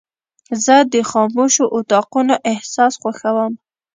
زه د خاموشو اتاقونو احساس خوښوم.